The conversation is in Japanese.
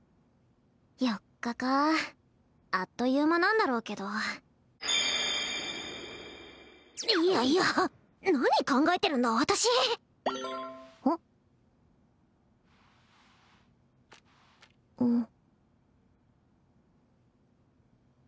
４日かあっという間なんだろうけどいやいや何考えてるんだ私うん？